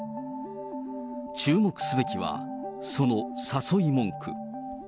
注目すべきは、その誘い文句。